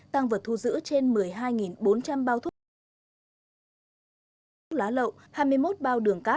tăng vật thu giữ trên một mươi hai bốn trăm linh bao